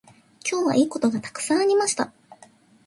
今日はいいことがたくさんありました。